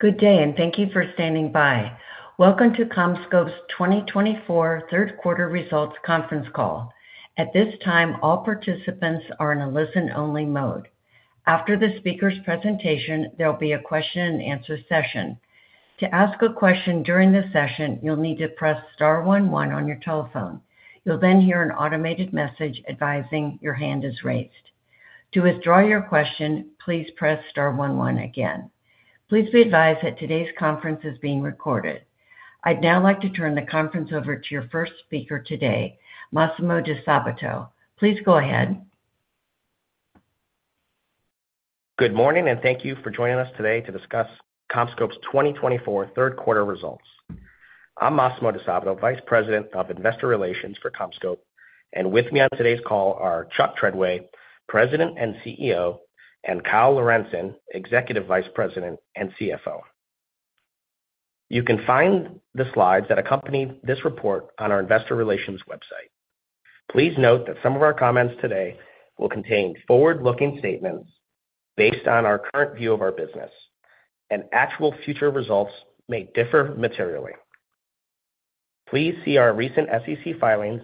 Good day, and thank you for standing by. Welcome to CommScope's 2024 third-quarter results conference call. At this time, all participants are in a listen-only mode. After the speaker's presentation, there will be a question-and-answer session. To ask a question during the session, you'll need to press star 11 on your telephone. You'll then hear an automated message advising your hand is raised. To withdraw your question, please press star 11 again. Please be advised that today's conference is being recorded. I'd now like to turn the conference over to your first speaker today, Massimo Disabato. Please go ahead. Good morning, and thank you for joining us today to discuss CommScope's 2024 third-quarter results. I'm Massimo Disabato, Vice President of Investor Relations for CommScope, and with me on today's call are Chuck Treadway, President and CEO, and Kyle Lorentzen, Executive Vice President and CFO. You can find the slides that accompany this report on our Investor Relations website. Please note that some of our comments today will contain forward-looking statements based on our current view of our business, and actual future results may differ materially. Please see our recent SEC filings,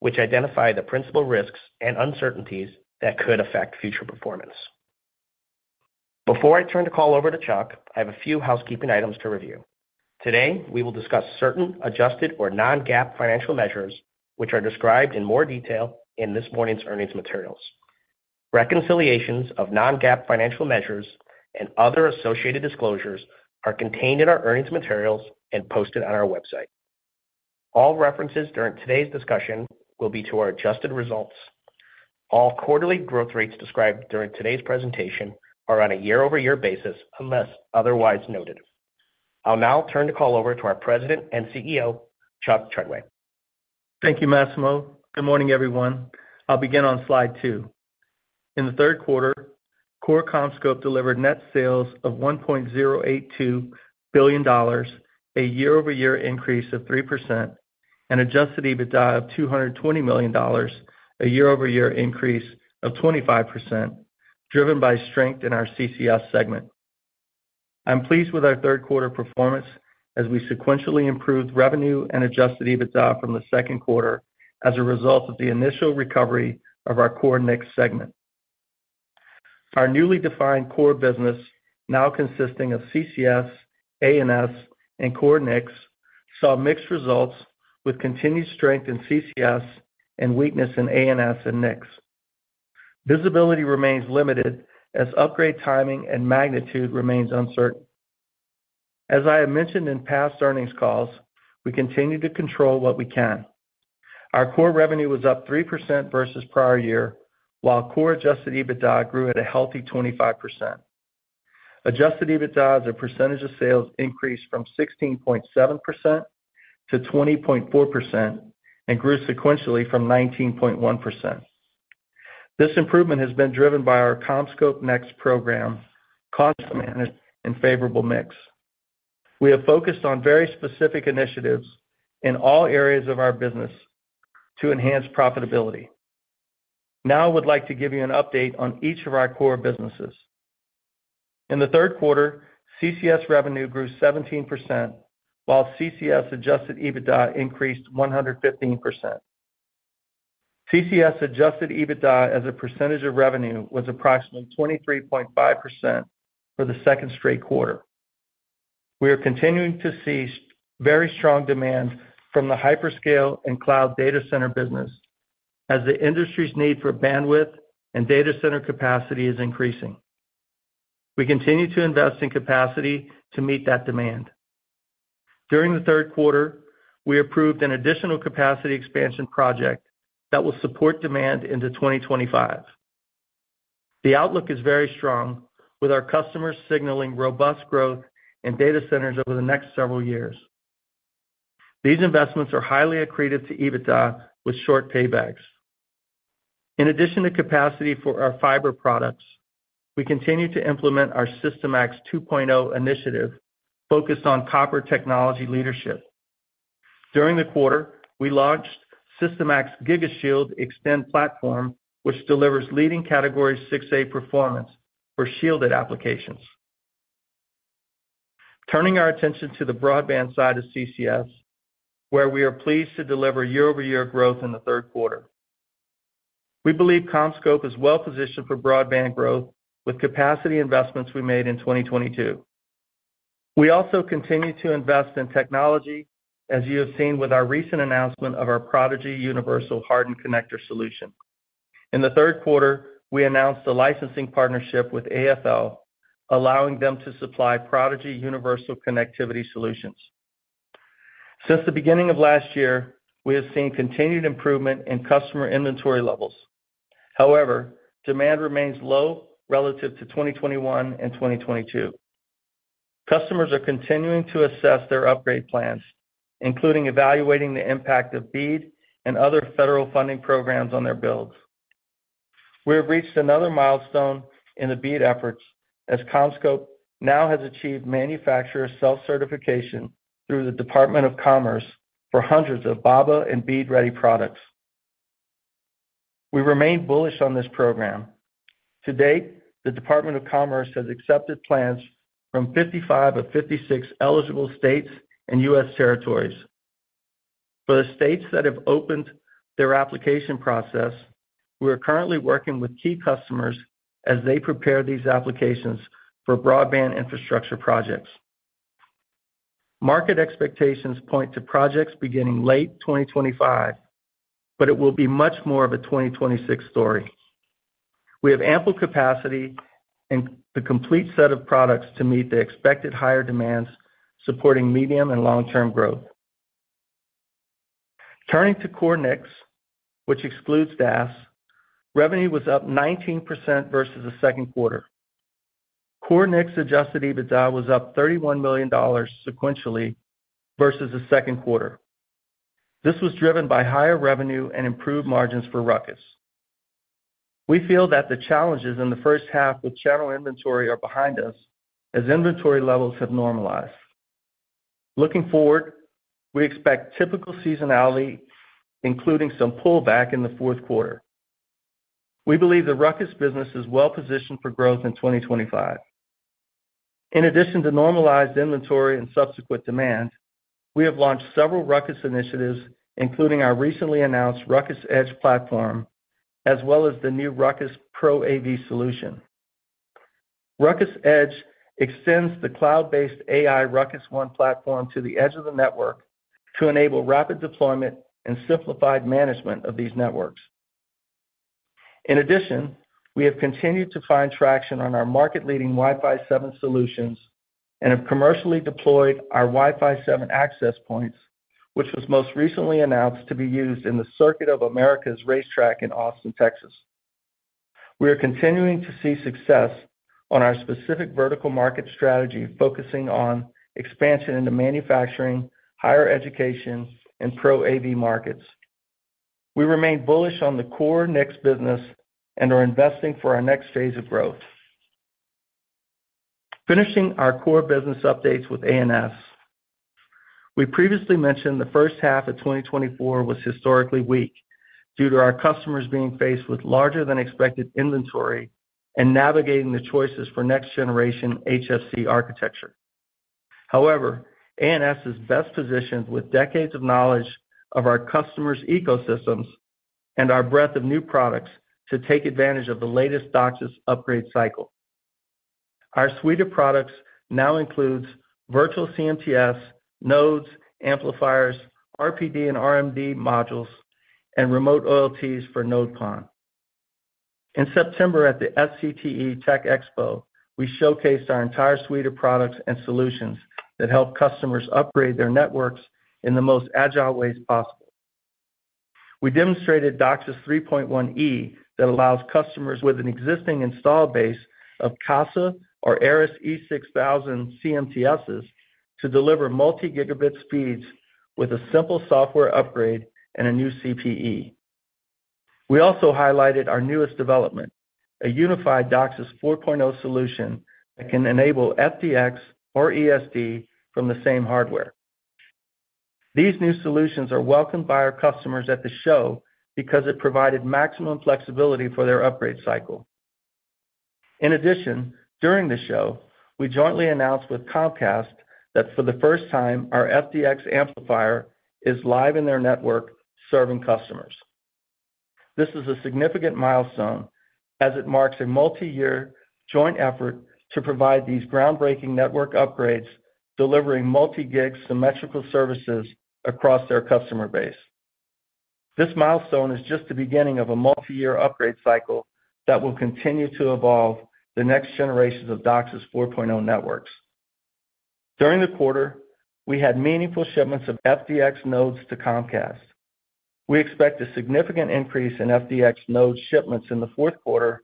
which identify the principal risks and uncertainties that could affect future performance. Before I turn the call over to Chuck, I have a few housekeeping items to review. Today, we will discuss certain adjusted or non-GAAP financial measures, which are described in more detail in this morning's earnings materials. Reconciliations of non-GAAP financial measures and other associated disclosures are contained in our earnings materials and posted on our website. All references during today's discussion will be to our adjusted results. All quarterly growth rates described during today's presentation are on a year-over-year basis unless otherwise noted. I'll now turn the call over to our President and CEO, Chuck Treadway. Thank you, Massimo. Good morning, everyone. I'll begin on slide two. In the third quarter, core CommScope delivered net sales of $1.082 billion, a year-over-year increase of 3%, and adjusted EBITDA of $220 million, a year-over-year increase of 25%, driven by strength in our CCS segment. I'm pleased with our third-quarter performance as we sequentially improved revenue and adjusted EBITDA from the second quarter as a result of the initial recovery of our core NICS segment. Our newly defined core business, now consisting of CCS, A&S, and core NICS, saw mixed results with continued strength in CCS and weakness in A&S and NICS. Visibility remains limited as upgrade timing and magnitude remain uncertain. As I have mentioned in past earnings calls, we continue to control what we can. Our core revenue was up 3% versus prior year, while core adjusted EBITDA grew at a healthy 25%. Adjusted EBITDA as a percentage of sales increased from 16.7% to 20.4% and grew sequentially from 19.1%. This improvement has been driven by our CommScope NEXT program, cost management and favorable mix. We have focused on very specific initiatives in all areas of our business to enhance profitability. Now, I would like to give you an update on each of our core businesses. In the third quarter, CCS revenue grew 17%, while CCS adjusted EBITDA increased 115%. CCS adjusted EBITDA as a percentage of revenue was approximately 23.5% for the second straight quarter. We are continuing to see very strong demand from the hyperscale and cloud data center business as the industry's need for bandwidth and data center capacity is increasing. We continue to invest in capacity to meet that demand. During the third quarter, we approved an additional capacity expansion project that will support demand into 2025. The outlook is very strong, with our customers signaling robust growth in data centers over the next several years. These investments are highly accretive to EBITDA with short paybacks. In addition to capacity for our fiber products, we continue to implement our SYSTIMAX 2.0 initiative focused on copper technology leadership. During the quarter, we launched SYSTIMAX GigaShield Extend platform, which delivers leading Category 6A performance for shielded applications. Turning our attention to the broadband side of CCS, where we are pleased to deliver year-over-year growth in the third quarter. We believe CommScope is well-positioned for broadband growth with capacity investments we made in 2022. We also continue to invest in technology, as you have seen with our recent announcement of our Prodigy Universal Hardened Connector solution. In the third quarter, we announced a licensing partnership with AFL, allowing them to supply Prodigy Universal Connectivity solutions. Since the beginning of last year, we have seen continued improvement in customer inventory levels. However, demand remains low relative to 2021 and 2022. Customers are continuing to assess their upgrade plans, including evaluating the impact of BEAD and other federal funding programs on their builds. We have reached another milestone in the BEAD efforts as CommScope now has achieved manufacturer self-certification through the U.S. Department of Commerce for hundreds of BABA and BEAD-ready products. We remain bullish on this program. To date, the U.S. Department of Commerce has accepted plans from 55 of 56 eligible states and U.S. territories. For the states that have opened their application process, we are currently working with key customers as they prepare these applications for broadband infrastructure projects. Market expectations point to projects beginning late 2025, but it will be much more of a 2026 story. We have ample capacity and the complete set of products to meet the expected higher demands, supporting medium and long-term growth. Turning to Core NICS, which excludes DAS, revenue was up 19% versus the second quarter. Core NICS Adjusted EBITDA was up $31 million sequentially versus the second quarter. This was driven by higher revenue and improved margins for RUCKUS. We feel that the challenges in the first half with channel inventory are behind us as inventory levels have normalized. Looking forward, we expect typical seasonality, including some pullback in the fourth quarter. We believe the RUCKUS business is well-positioned for growth in 2025. In addition to normalized inventory and subsequent demand, we have launched several RUCKUS initiatives, including our recently announced RUCKUS Edge platform, as well as the new RUCKUS Pro AV solution. RUCKUS Edge extends the cloud-based AI RUCKUS One platform to the edge of the network to enable rapid deployment and simplified management of these networks. In addition, we have continued to find traction on our market-leading Wi-Fi 7 solutions and have commercially deployed our Wi-Fi 7 access points, which was most recently announced to be used in the Circuit of the Americas racetrack in Austin, Texas. We are continuing to see success on our specific vertical market strategy, focusing on expansion into manufacturing, higher education, and Pro AV markets. We remain bullish on the Core NICS business and are investing for our next phase of growth. Finishing our core business updates with A&S, we previously mentioned the first half of 2024 was historically weak due to our customers being faced with larger-than-expected inventory and navigating the choices for next-generation HFC architecture. However, A&S is best positioned with decades of knowledge of our customers' ecosystems and our breadth of new products to take advantage of the latest DOCSIS upgrade cycle. Our suite of products now includes virtual CMTS, nodes, amplifiers, RPD and RMD modules, and remote OLTs for Node PON. In September at the SCTE Tech Expo, we showcased our entire suite of products and solutions that help customers upgrade their networks in the most agile ways possible. We demonstrated DOCSIS 3.1e that allows customers with an existing installed base of Casa or ARRIS E6000 CMTSs to deliver multi-gigabit speeds with a simple software upgrade and a new CPE. We also highlighted our newest development, a unified DOCSIS 4.0 solution that can enable FDX or ESD from the same hardware. These new solutions are welcomed by our customers at the show because it provided maximum flexibility for their upgrade cycle. In addition, during the show, we jointly announced with Comcast that for the first time, our FDX amplifier is live in their network, serving customers. This is a significant milestone as it marks a multi-year joint effort to provide these groundbreaking network upgrades, delivering multi-gig symmetrical services across their customer base. This milestone is just the beginning of a multi-year upgrade cycle that will continue to evolve the next generations of DOCSIS 4.0 networks. During the quarter, we had meaningful shipments of FDX nodes to Comcast. We expect a significant increase in FDX node shipments in the fourth quarter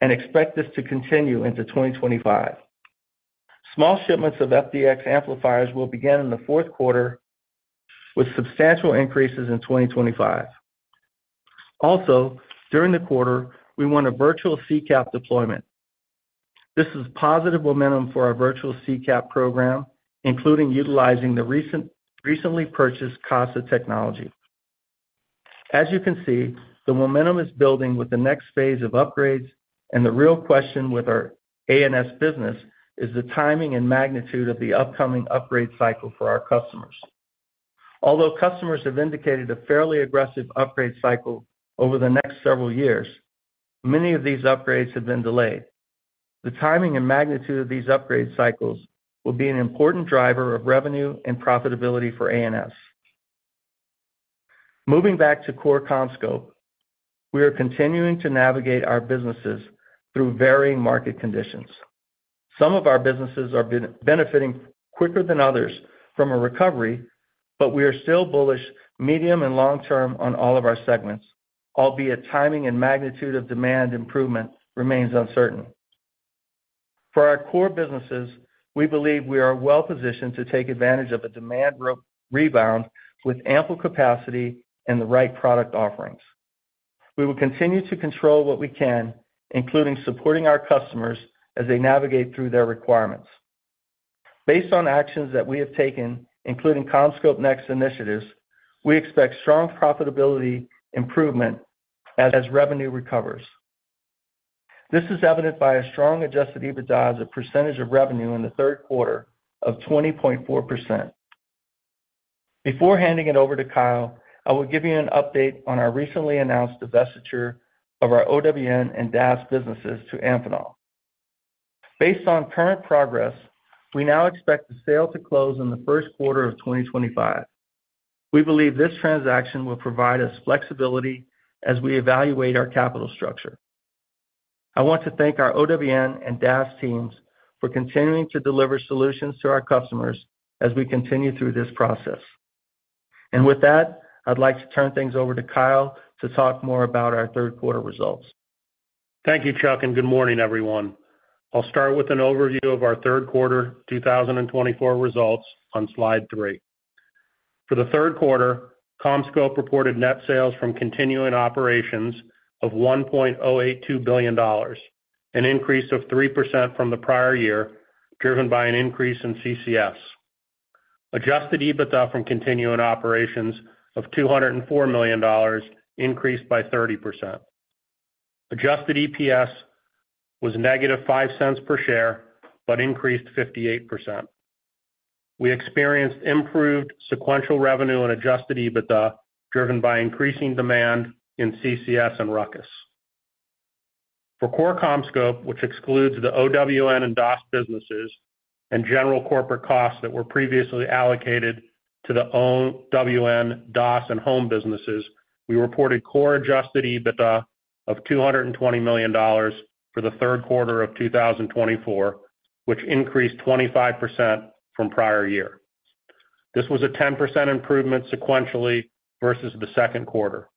and expect this to continue into 2025. Small shipments of FDX amplifiers will begin in the fourth quarter, with substantial increases in 2025. Also, during the quarter, we won a virtual CCAP deployment. This is positive momentum for our virtual CCAP program, including utilizing the recently purchased Casa technology. As you can see, the momentum is building with the next phase of upgrades, and the real question with our A&S business is the timing and magnitude of the upcoming upgrade cycle for our customers. Although customers have indicated a fairly aggressive upgrade cycle over the next several years, many of these upgrades have been delayed. The timing and magnitude of these upgrade cycles will be an important driver of revenue and profitability for A&S. Moving back to core CommScope, we are continuing to navigate our businesses through varying market conditions. Some of our businesses are benefiting quicker than others from a recovery, but we are still bullish medium and long-term on all of our segments, albeit timing and magnitude of demand improvement remains uncertain. For our core businesses, we believe we are well-positioned to take advantage of a demand rebound with ample capacity and the right product offerings. We will continue to control what we can, including supporting our customers as they navigate through their requirements. Based on actions that we have taken, including CommScope NICS initiatives, we expect strong profitability improvement as revenue recovers. This is evident by a strong Adjusted EBITDA as a percentage of revenue in the third quarter of 20.4%. Before handing it over to Kyle, I will give you an update on our recently announced divestiture of our OWN and DAS businesses to Amphenol. Based on current progress, we now expect the sale to close in the first quarter of 2025. We believe this transaction will provide us flexibility as we evaluate our capital structure. I want to thank our OWN and DAS teams for continuing to deliver solutions to our customers as we continue through this process. With that, I'd like to turn things over to Kyle to talk more about our third quarter results. Thank you, Chuck, and good morning, everyone. I'll start with an overview of our third quarter 2024 results on slide three. For the third quarter, CommScope reported net sales from continuing operations of $1.082 billion, an increase of 3% from the prior year, driven by an increase in CCS. Adjusted EBITDA from continuing operations of $204 million increased by 30%. Adjusted EPS was negative $0.05 per share, but increased 58%. We experienced improved sequential revenue and adjusted EBITDA driven by increasing demand in CCS and Ruckus. For core CommScope, which excludes the OWN and DAS businesses and general corporate costs that were previously allocated to the OWN, DAS, and home businesses, we reported core adjusted EBITDA of $220 million for the third quarter of 2024, which increased 25% from prior year. This was a 10% improvement sequentially versus the second quarter.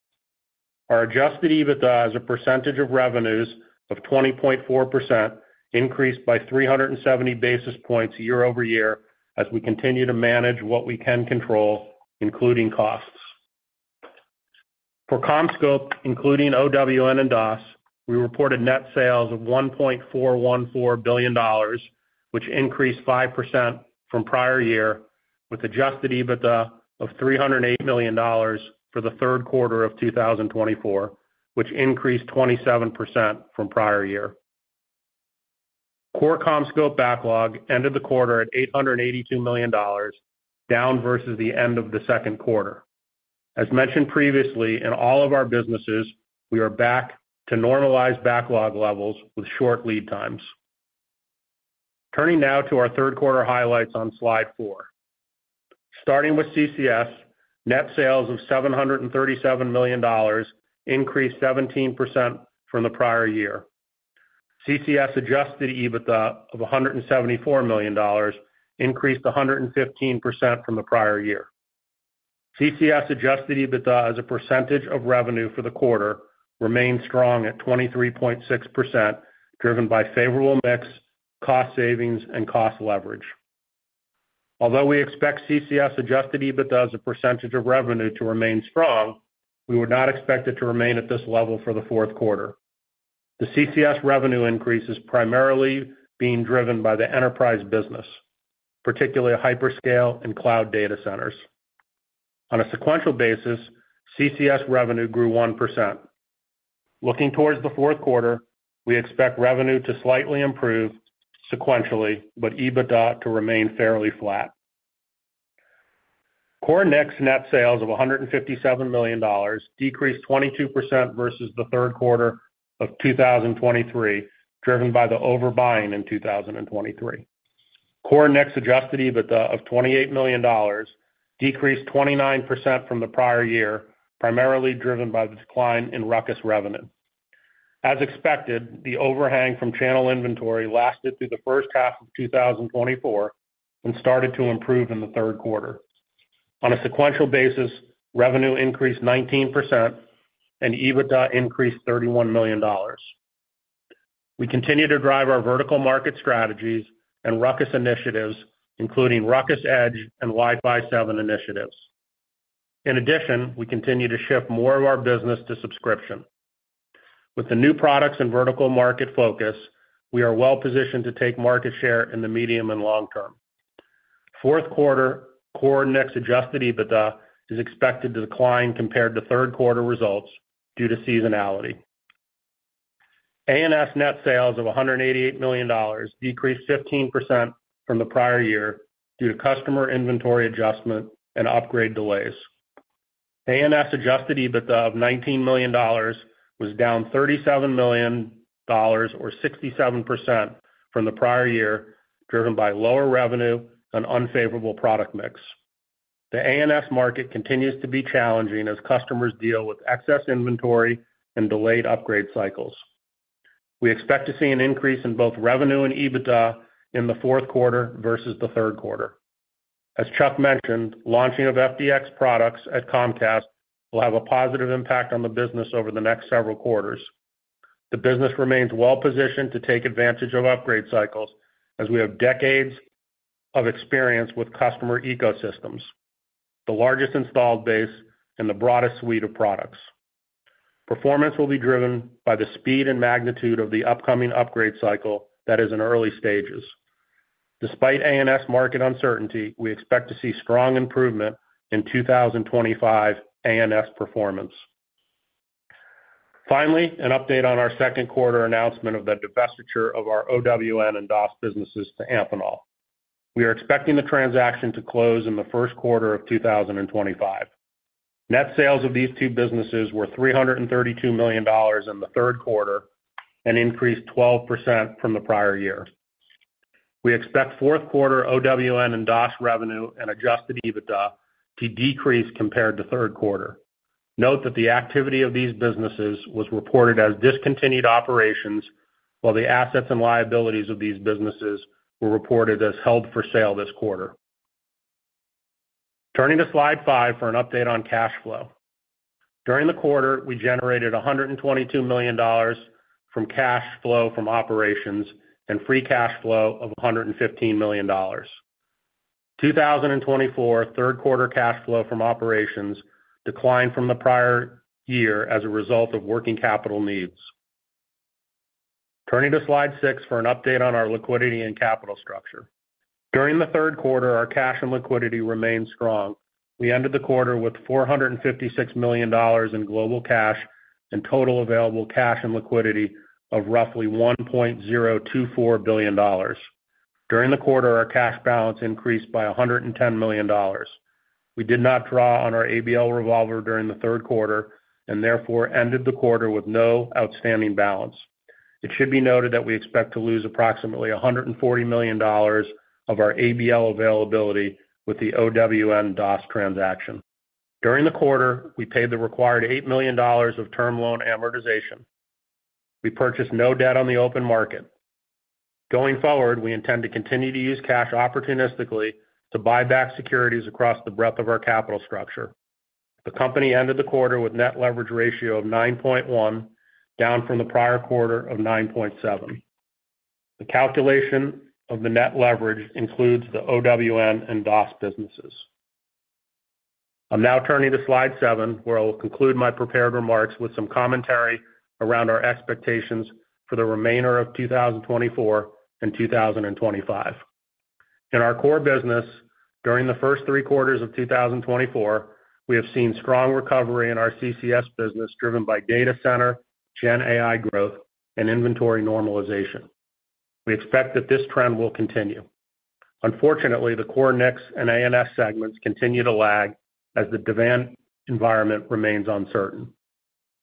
Our adjusted EBITDA is a percentage of revenues of 20.4%, increased by 370 basis points year over year as we continue to manage what we can control, including costs. For CommScope, including OWN and DAS, we reported net sales of $1.414 billion, which increased 5% from prior year, with adjusted EBITDA of $308 million for the third quarter of 2024, which increased 27% from prior year. Core CommScope backlog ended the quarter at $882 million, down versus the end of the second quarter. As mentioned previously, in all of our businesses, we are back to normalized backlog levels with short lead times. Turning now to our third quarter highlights on slide four. Starting with CCS, net sales of $737 million increased 17% from the prior year. CCS adjusted EBITDA of $174 million increased 115% from the prior year. CCS adjusted EBITDA as a percentage of revenue for the quarter remained strong at 23.6%, driven by favorable mix, cost savings, and cost leverage. Although we expect CCS adjusted EBITDA as a percentage of revenue to remain strong, we would not expect it to remain at this level for the fourth quarter. The CCS revenue increase is primarily being driven by the enterprise business, particularly hyperscale and cloud data centers. On a sequential basis, CCS revenue grew 1%. Looking toward the fourth quarter, we expect revenue to slightly improve sequentially, but EBITDA to remain fairly flat. Core NICS net sales of $157 million decreased 22% versus the third quarter of 2023, driven by the overbuying in 2023. Core NICS adjusted EBITDA of $28 million decreased 29% from the prior year, primarily driven by the decline in Ruckus revenue. As expected, the overhang from channel inventory lasted through the first half of 2024 and started to improve in the third quarter. On a sequential basis, revenue increased 19% and EBITDA increased $31 million. We continue to drive our vertical market strategies and Ruckus initiatives, including Ruckus Edge and Wi-Fi 7 initiatives. In addition, we continue to shift more of our business to subscription. With the new products and vertical market focus, we are well-positioned to take market share in the medium and long term. Fourth quarter Core NICS adjusted EBITDA is expected to decline compared to third quarter results due to seasonality. A&S net sales of $188 million decreased 15% from the prior year due to customer inventory adjustment and upgrade delays. A&S adjusted EBITDA of $19 million was down $37 million or 67% from the prior year, driven by lower revenue and unfavorable product mix. The A&S market continues to be challenging as customers deal with excess inventory and delayed upgrade cycles. We expect to see an increase in both revenue and EBITDA in the fourth quarter versus the third quarter. As Chuck mentioned, launching of FDX products at Comcast will have a positive impact on the business over the next several quarters. The business remains well-positioned to take advantage of upgrade cycles as we have decades of experience with customer ecosystems, the largest installed base and the broadest suite of products. Performance will be driven by the speed and magnitude of the upcoming upgrade cycle that is in early stages. Despite A&S market uncertainty, we expect to see strong improvement in 2025 A&S performance. Finally, an update on our second quarter announcement of the divestiture of our OWN and DAS businesses to Amphenol. We are expecting the transaction to close in the first quarter of 2025. Net sales of these two businesses were $332 million in the third quarter and increased 12% from the prior year. We expect fourth quarter OWN and DAS revenue and Adjusted EBITDA to decrease compared to third quarter. Note that the activity of these businesses was reported as discontinued operations, while the assets and liabilities of these businesses were reported as held for sale this quarter. Turning to slide five for an update on cash flow. During the quarter, we generated $122 million from cash flow from operations and free cash flow of $115 million. 2024 third quarter cash flow from operations declined from the prior year as a result of working capital needs. Turning to slide six for an update on our liquidity and capital structure. During the third quarter, our cash and liquidity remained strong. We ended the quarter with $456 million in global cash and total available cash and liquidity of roughly $1.024 billion. During the quarter, our cash balance increased by $110 million. We did not draw on our ABL revolver during the third quarter and therefore ended the quarter with no outstanding balance. It should be noted that we expect to lose approximately $140 million of our ABL availability with the OWN and DAS transaction. During the quarter, we paid the required $8 million of term loan amortization. We purchased no debt on the open market. Going forward, we intend to continue to use cash opportunistically to buy back securities across the breadth of our capital structure. The company ended the quarter with net leverage ratio of 9.1, down from the prior quarter of 9.7. The calculation of the net leverage includes the OWN and DAS businesses. I'm now turning to slide seven, where I will conclude my prepared remarks with some commentary around our expectations for the remainder of 2024 and 2025. In our core business, during the first three quarters of 2024, we have seen strong recovery in our CCS business driven by data center, GenAI growth, and inventory normalization. We expect that this trend will continue. Unfortunately, the core NICS and A&S segments continue to lag as the demand environment remains uncertain.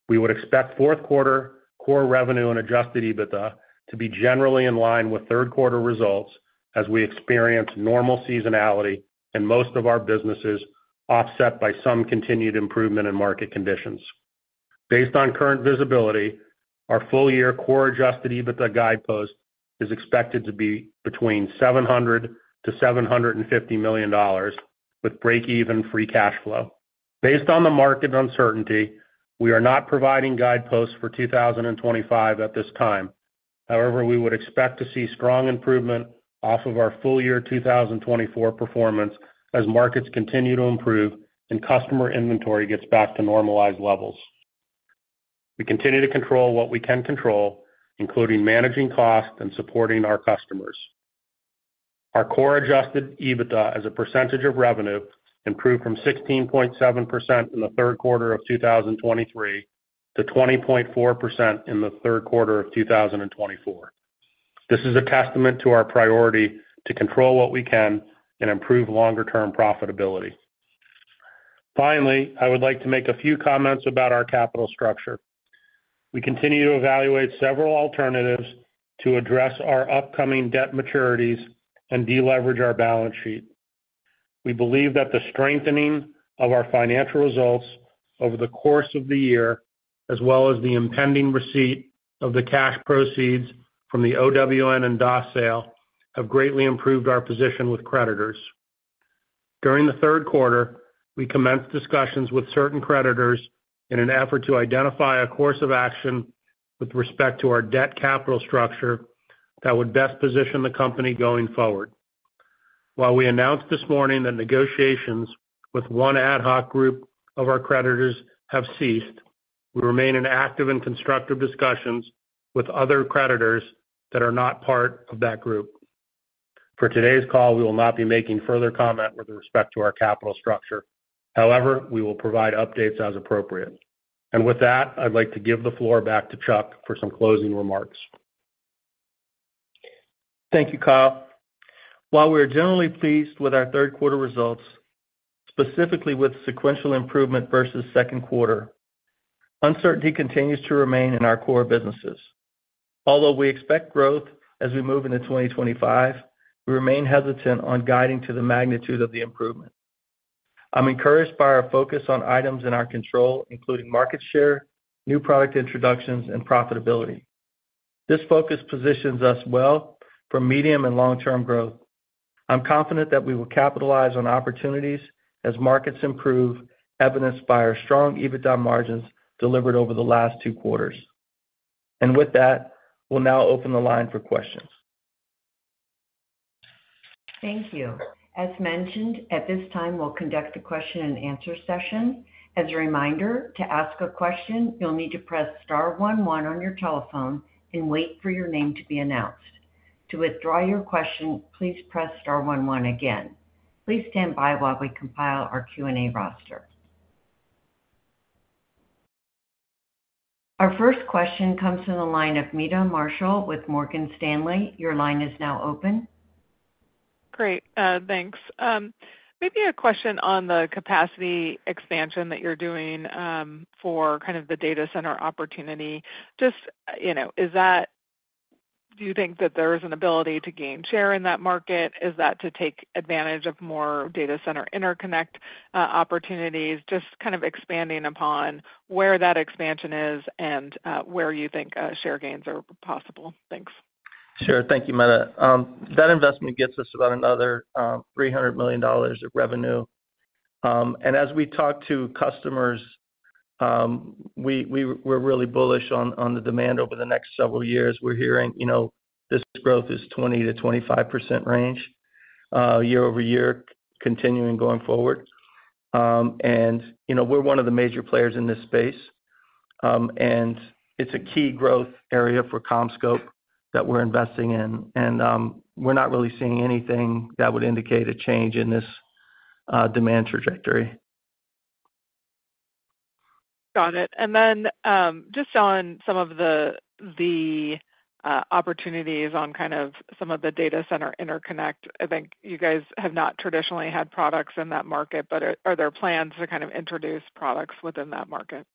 We would expect fourth quarter core revenue and Adjusted EBITDA to be generally in line with third quarter results as we experience normal seasonality in most of our businesses, offset by some continued improvement in market conditions. Based on current visibility, our full-year core Adjusted EBITDA guidepost is expected to be between $700-$750 million with break-even free cash flow. Based on the market uncertainty, we are not providing guideposts for 2025 at this time. However, we would expect to see strong improvement off of our full-year 2024 performance as markets continue to improve and customer inventory gets back to normalized levels. We continue to control what we can control, including managing costs and supporting our customers. Our core Adjusted EBITDA as a percentage of revenue improved from 16.7% in the third quarter of 2023 to 20.4% in the third quarter of 2024. This is a testament to our priority to control what we can and improve longer-term profitability. Finally, I would like to make a few comments about our capital structure. We continue to evaluate several alternatives to address our upcoming debt maturities and deleverage our balance sheet. We believe that the strengthening of our financial results over the course of the year, as well as the impending receipt of the cash proceeds from the OWN and DAS sale, have greatly improved our position with creditors. During the third quarter, we commenced discussions with certain creditors in an effort to identify a course of action with respect to our debt capital structure that would best position the company going forward. While we announced this morning that negotiations with one ad hoc group of our creditors have ceased, we remain in active and constructive discussions with other creditors that are not part of that group. For today's call, we will not be making further comment with respect to our capital structure. However, we will provide updates as appropriate. And with that, I'd like to give the floor back to Chuck for some closing remarks. Thank you, Kyle. While we are generally pleased with our third quarter results, specifically with sequential improvement versus second quarter, uncertainty continues to remain in our core businesses. Although we expect growth as we move into 2025, we remain hesitant on guiding to the magnitude of the improvement. I'm encouraged by our focus on items in our control, including market share, new product introductions, and profitability. This focus positions us well for medium and long-term growth. I'm confident that we will capitalize on opportunities as markets improve, evidenced by our strong EBITDA margins delivered over the last two quarters. And with that, we'll now open the line for questions. Thank you. As mentioned, at this time, we'll conduct a question-and-answer session. As a reminder, to ask a question, you'll need to press star 11 on your telephone and wait for your name to be announced. To withdraw your question, please press star 11 again. Please stand by while we compile our Q&A roster. Our first question comes from the line of Meta Marshall with Morgan Stanley. Your line is now open. Great. Thanks. Maybe a question on the capacity expansion that you're doing for kind of the data center opportunity. Just, do you think that there is an ability to gain share in that market? Is that to take advantage of more data center interconnect opportunities? Just kind of expanding upon where that expansion is and where you think share gains are possible. Thanks. Sure. Thank you, Meta. That investment gets us about another $300 million of revenue. And as we talk to customers, we're really bullish on the demand over the next several years. We're hearing this growth is 20%-25% range year over year, continuing going forward. And we're one of the major players in this space. And it's a key growth area for CommScope that we're investing in. And we're not really seeing anything that would indicate a change in this demand trajectory. Got it. And then just on some of the opportunities on kind of some of the Data Center Interconnect, I think you guys have not traditionally had products in that market, but are there plans to kind of introduce products within that market?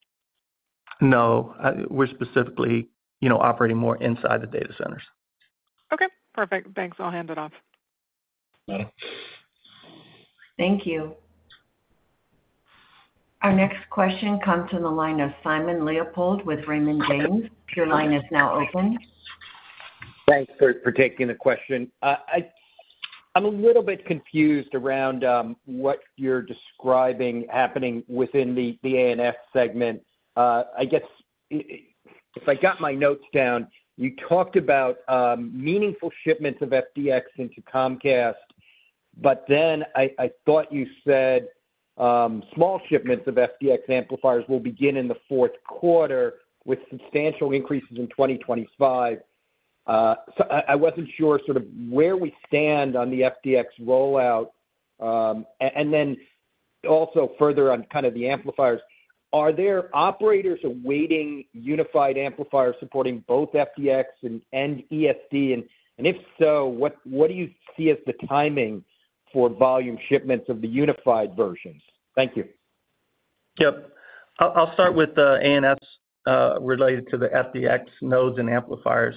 No. We're specifically operating more inside the data centers. Okay. Perfect. Thanks. I'll hand it off. Thank you. Our next question comes from the line of Simon Leopold with Raymond James. Your line is now open. Thanks for taking the question. I'm a little bit confused around what you're describing happening within the A&S segment. I guess if I got my notes down, you talked about meaningful shipments of FDX into Comcast, but then I thought you said small shipments of FDX amplifiers will begin in the fourth quarter with substantial increases in 2025. So I wasn't sure sort of where we stand on the FDX rollout. And then also further on kind of the amplifiers, are there operators awaiting unified amplifiers supporting both FDX and ESD? And if so, what do you see as the timing for volume shipments of the unified versions? Thank you. Yep. I'll start with A&S related to the FDX nodes and amplifiers,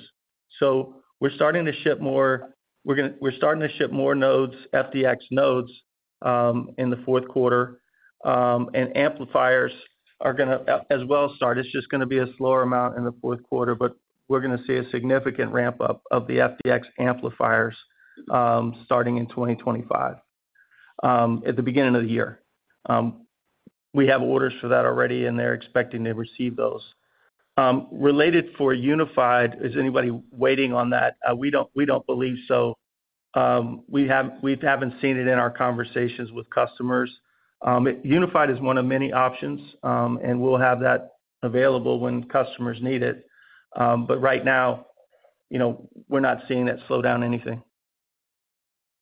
so we're starting to ship more, and we're starting to ship more nodes, FDX nodes, in the fourth quarter, and amplifiers are going to start as well. It's just going to be a slower amount in the fourth quarter, but we're going to see a significant ramp-up of the FDX amplifiers starting in 2025 at the beginning of the year. We have orders for that already, and they're expecting to receive those. Related for unified, is anybody waiting on that? We don't believe so. We haven't seen it in our conversations with customers. Unified is one of many options, and we'll have that available when customers need it, but right now, we're not seeing that slow down anything.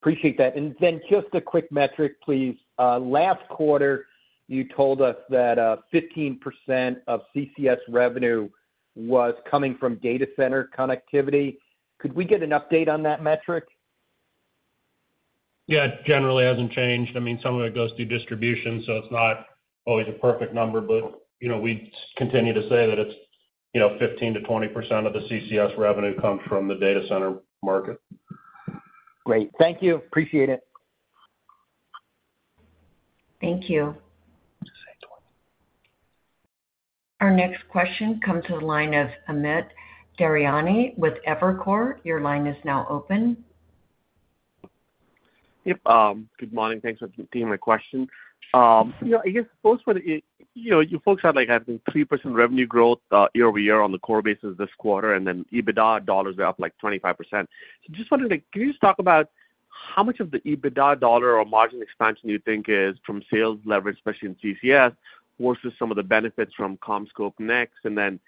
Appreciate that, and then just a quick metric, please. Last quarter, you told us that 15% of CCS revenue was coming from data center connectivity. Could we get an update on that metric? Yeah. It generally hasn't changed. I mean, some of it goes through distribution, so it's not always a perfect number, but we continue to say that it's 15%-20% of the CCS revenue comes from the data center market. Great. Thank you. Appreciate it. Thank you. Our next question comes to the line of Amit Daryanani with Evercore ISI. Your line is now open. Yep. Good morning. Thanks for taking my question. I guess both for the you folks had, I think, 3% revenue growth year over year on the core basis this quarter, and then EBITDA dollars were up like 25%. So just wondered, can you just talk about how much of the EBITDA dollar or margin expansion you think is from sales leverage, especially in CCS, versus some of the benefits from CommScope NEXT? And then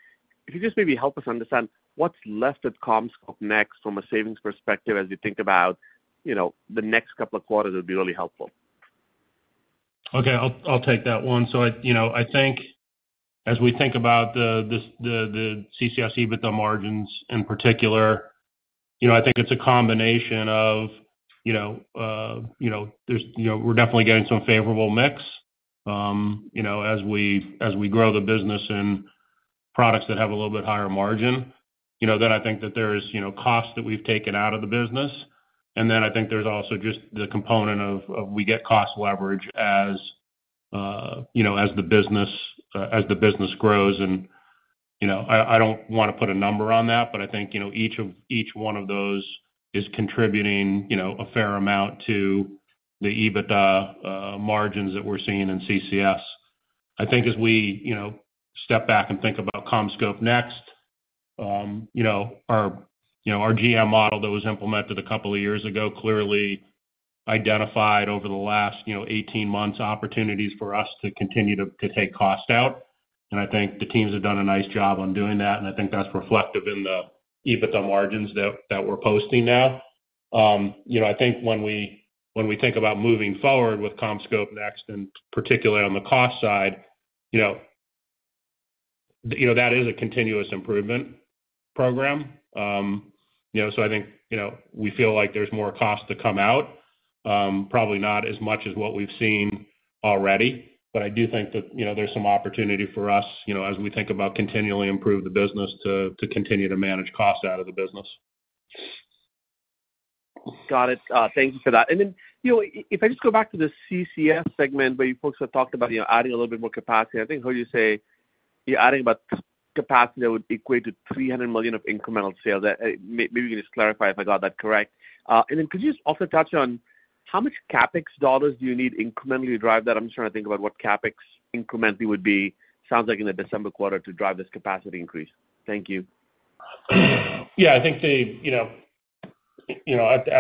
if you just maybe help us understand what's left at CommScope NEXT from a savings perspective as you think about the next couple of quarters, it would be really helpful. Okay. I'll take that one. So I think as we think about the CCS EBITDA margins in particular, I think it's a combination of. We're definitely getting some favorable mix as we grow the business in products that have a little bit higher margin. Then I think that there is cost that we've taken out of the business. And then I think there's also just the component of we get cost leverage as the business grows. I don't want to put a number on that, but I think each one of those is contributing a fair amount to the EBITDA margins that we're seeing in CCS. I think as we step back and think about CommScope NEXT, our GM model that was implemented a couple of years ago clearly identified over the last 18 months opportunities for us to continue to take cost out. I think the teams have done a nice job on doing that, and I think that's reflective in the EBITDA margins that we're posting now. I think when we think about moving forward with CommScope NEXT, and particularly on the cost side, that is a continuous improvement program. So I think we feel like there's more cost to come out, probably not as much as what we've seen already, but I do think that there's some opportunity for us as we think about continually improving the business to continue to manage costs out of the business. Got it. Thank you for that. And then if I just go back to the CCS segment, where you folks have talked about adding a little bit more capacity. I think I heard you say you're adding about capacity that would equate to $300 million of incremental sales. Maybe you can just clarify if I got that correct. And then could you just also touch on how much CapEx dollars do you need incrementally to drive that? I'm just trying to think about what CapEx incrementally would be, sounds like, in the December quarter to drive this capacity increase. Thank you. Yeah. I think at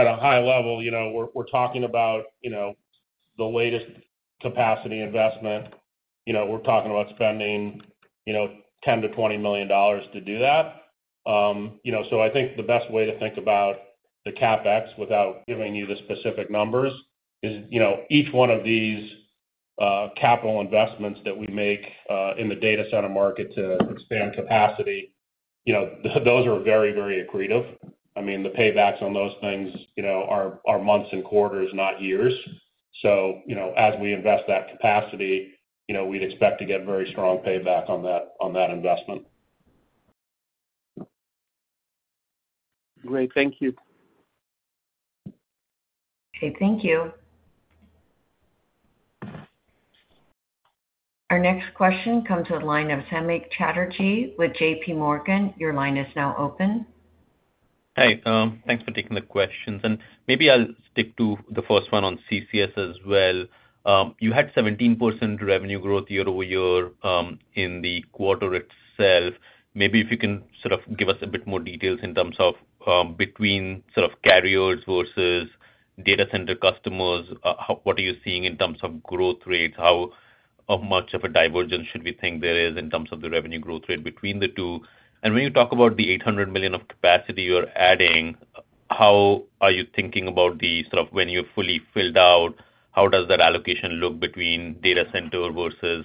a high level, we're talking about the latest capacity investment. We're talking about spending $10 million-$20 million to do that. So I think the best way to think about the CapEx without giving you the specific numbers is each one of these capital investments that we make in the data center market to expand capacity, those are very, very accretive. I mean, the paybacks on those things are months and quarters, not years. So as we invest that capacity, we'd expect to get very strong payback on that investment. Great. Thank you. Okay. Thank you. Our next question comes to the line of Samik Chatterjee with JPMorgan. Your line is now open. Hi. Thanks for taking the questions. And maybe I'll stick to the first one on CCS as well. You had 17% revenue growth year over year in the quarter itself. Maybe if you can sort of give us a bit more details in terms of between sort of carriers versus data center customers, what are you seeing in terms of growth rates? How much of a divergence should we think there is in terms of the revenue growth rate between the two? And when you talk about the $800 million of capacity you're adding, how are you thinking about the sort of when you're fully filled out, how does that allocation look between data center versus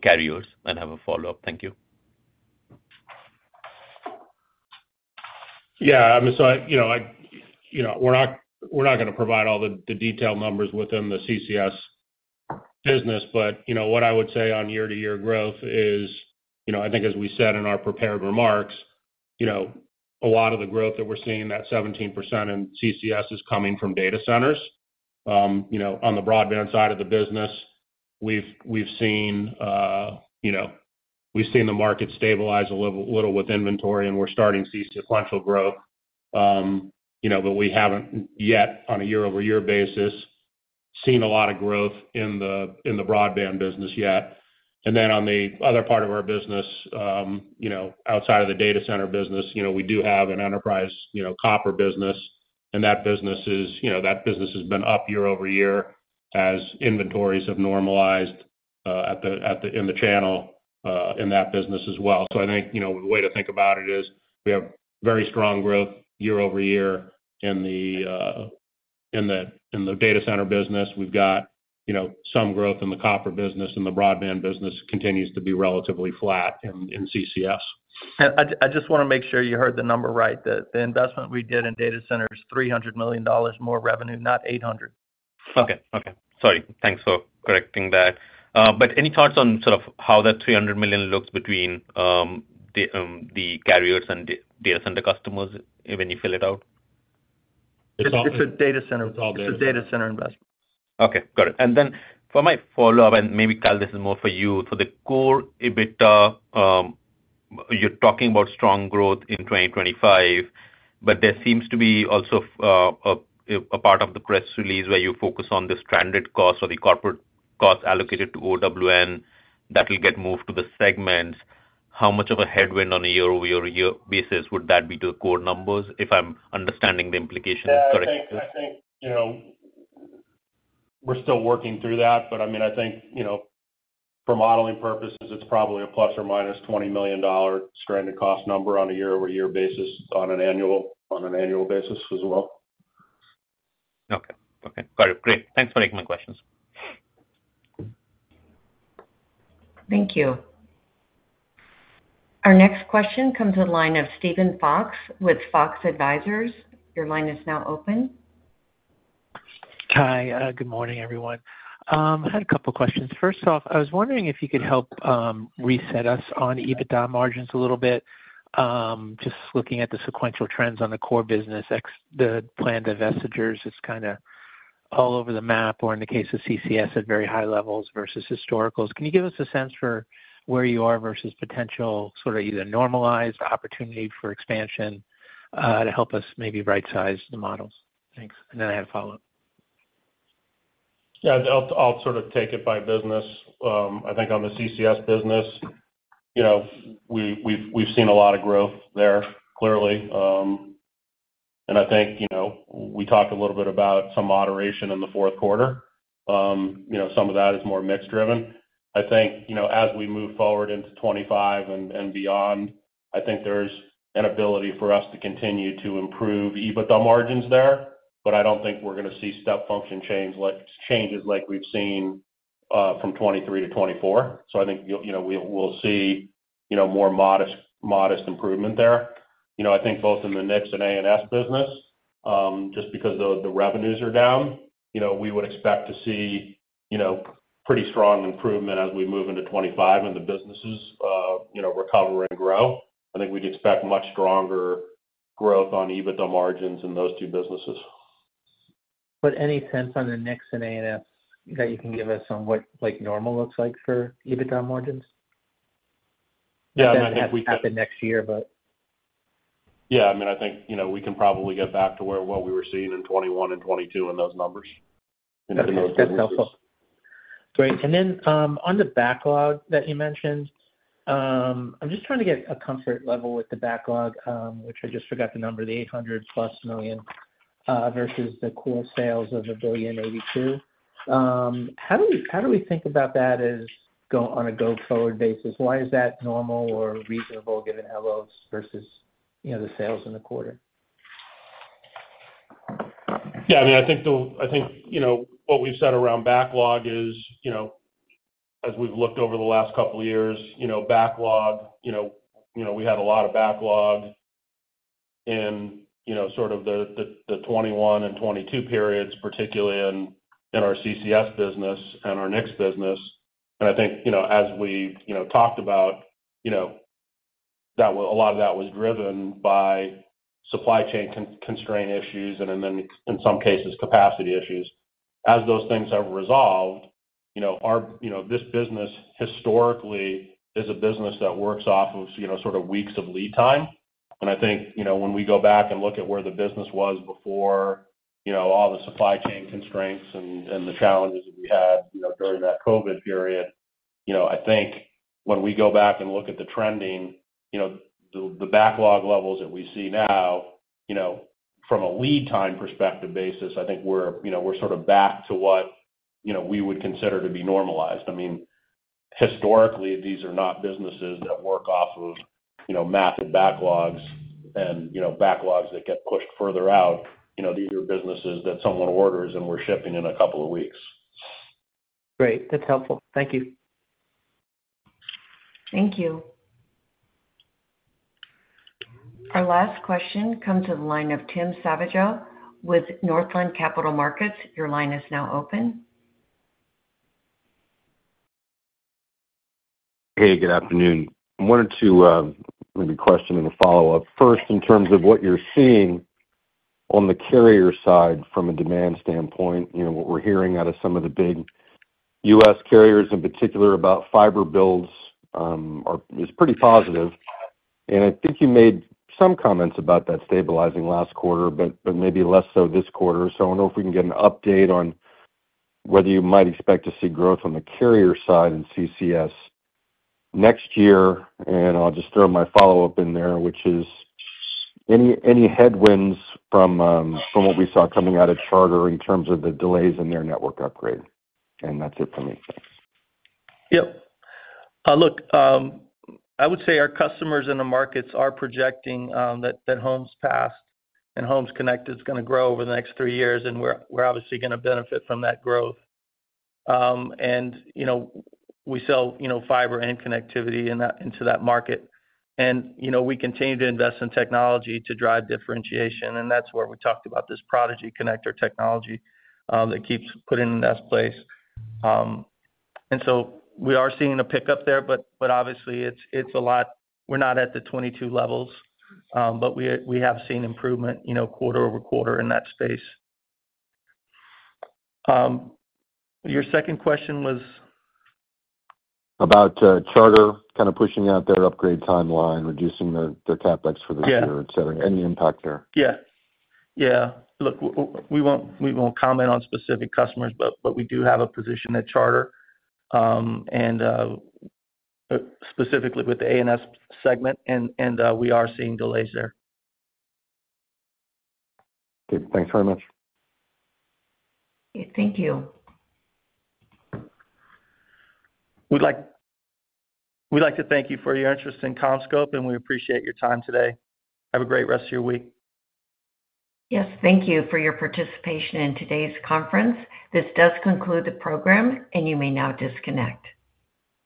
carriers? And I have a follow-up. Thank you. Yeah. I mean, so we're not going to provide all the detailed numbers within the CCS business, but what I would say on year-to-year growth is I think as we said in our prepared remarks, a lot of the growth that we're seeing, that 17% in CCS, is coming from data centers. On the broadband side of the business, we've seen the market stabilize a little with inventory, and we're starting seeing sequential growth. But we haven't yet, on a year-over-year basis, seen a lot of growth in the broadband business yet, and then on the other part of our business, outside of the data center business, we do have an enterprise copper business, and that business has been up year over year as inventories have normalized in the channel in that business as well. So I think the way to think about it is we have very strong growth year over year in the data center business. We've got some growth in the copper business, and the broadband business continues to be relatively flat in CCS. I just want to make sure you heard the number right. The investment we did in data center is $300 million more revenue, not $800 million. Okay. Okay. Sorry. Thanks for correcting that. But any thoughts on sort of how that $300 million looks between the carriers and data center customers when you fill it out? It's all data. It's a data center investment. It's all data. Okay. Got it. And then for my follow-up, and maybe Kyle, this is more for you. For the core EBITDA, you're talking about strong growth in 2025, but there seems to be also a part of the press release where you focus on the stranded cost or the corporate cost allocated to OWN that will get moved to the segments. How much of a headwind on a year-over-year basis would that be to the core numbers? If I'm understanding the implications correctly. I think we're still working through that, but I mean, I think for modeling purposes, it's probably a plus or minus $20 million stranded cost number on a year-over-year basis on an annual basis as well. Okay. Okay. Got it. Great. Thanks for taking my questions. Thank you. Our next question comes to the line of Steven Fox with Fox Advisors. Your line is now open. Hi. Good morning, everyone. I had a couple of questions. First off, I was wondering if you could help reset us on EBITDA margins a little bit. Just looking at the sequential trends on the core business, the planned divestitures, it's kind of all over the map, or in the case of CCS at very high levels versus historicals. Can you give us a sense for where you are versus potential sort of either normalized opportunity for expansion to help us maybe right-size the models? Thanks. And then I had a follow-up. Yeah. I'll sort of take it by business. I think on the CCS business, we've seen a lot of growth there clearly. And I think we talked a little bit about some moderation in the fourth quarter. Some of that is more mixed-driven. I think as we move forward into 2025 and beyond, I think there's an ability for us to continue to improve EBITDA margins there, but I don't think we're going to see step function changes like we've seen from 2023 to 2024. So I think we'll see more modest improvement there. I think both in the NICS and A&S business, just because the revenues are down, we would expect to see pretty strong improvement as we move into 2025 and the businesses recover and grow. I think we'd expect much stronger growth on EBITDA margins in those two businesses. But any sense on the NICS and A&S that you can give us on what normal looks like for EBITDA margins? Yeah. I mean, I think we could. Not at the next year, but. Yeah. I mean, I think we can probably get back to where what we were seeing in 2021 and 2022 in those numbers. And if it looks like that. That's helpful. Great. And then on the backlog that you mentioned, I'm just trying to get a comfort level with the backlog, which I just forgot the number, the $800-plus million versus the core sales of $1.082 billion. How do we think about that on a go-forward basis? Why is that normal or reasonable given how low versus the sales in the quarter? Yeah. I mean, I think what we've said around backlog is, as we've looked over the last couple of years, backlog, we had a lot of backlog in sort of the 2021 and 2022 periods, particularly in our CCS business and our NICS business. And I think as we talked about, a lot of that was driven by supply chain constraint issues and then, in some cases, capacity issues. As those things have resolved, this business historically is a business that works off of sort of weeks of lead time. And I think when we go back and look at where the business was before all the supply chain constraints and the challenges that we had during that COVID period, I think when we go back and look at the trending, the backlog levels that we see now, from a lead time perspective basis, I think we're sort of back to what we would consider to be normalized. I mean, historically, these are not businesses that work off of massive backlogs and backlogs that get pushed further out. These are businesses that someone orders, and we're shipping in a couple of weeks. Great. That's helpful. Thank you. Thank you. Our last question comes to the line of Tim Savageaux with Northland Capital Markets. Your line is now open. Hey. Good afternoon. I wanted to maybe question and follow up. First, in terms of what you're seeing on the carrier side from a demand standpoint, what we're hearing out of some of the big U.S. carriers in particular about fiber builds is pretty positive, and I think you made some comments about that stabilizing last quarter, but maybe less so this quarter, so I wonder if we can get an update on whether you might expect to see growth on the carrier side in CCS next year. And I'll just throw my follow-up in there, which is any headwinds from what we saw coming out of Charter in terms of the delays in their network upgrade. And that's it for me. Yep. Look, I would say our customers in the markets are projecting that Homes Passed and Homes Connected is going to grow over the next three years, and we're obviously going to benefit from that growth. And we sell fiber and connectivity into that market. And we continue to invest in technology to drive differentiation. And that's where we talked about this Prodigy Connector technology that keeps putting in its place. And so we are seeing a pickup there, but obviously, it's a lot we're not at the 2022 levels, but we have seen improvement quarter over quarter in that space. Your second question was? About Charter kind of pushing out their upgrade timeline, reducing their CapEx for this year, etc., any impact there? Yeah. Yeah. Look, we won't comment on specific customers, but we do have a position at Charter, specifically with the A&S segment, and we are seeing delays there. Okay. Thanks very much. Okay. Thank you. We'd like to thank you for your interest in CommScope, and we appreciate your time today. Have a great rest of your week. Yes. Thank you for your participation in today's conference. This does conclude the program, and you may now disconnect.